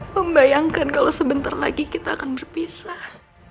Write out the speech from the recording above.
membayangkan kalau sebentar lagi kita akan berpisah